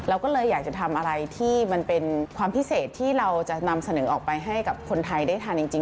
เราก็เลยอยากจะทำอะไรที่มันเป็นความพิเศษที่เราจะนำเสนอออกไปให้กับคนไทยได้ทานจริง